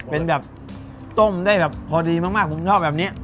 เป็นแบบต้มได้แบบพอดีมากผมชอบแบบนี้